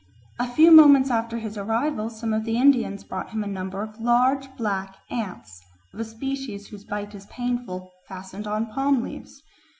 A few moments after his arrival some of the Indians brought him a number of large black ants, of a species whose bite is painful, fastened on palm leaves.